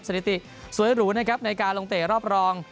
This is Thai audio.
สถิติสวยหรูนะครับในการลงเตะรอบรอง